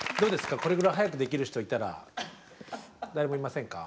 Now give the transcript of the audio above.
これぐらい速くできる人いたら誰もいませんか？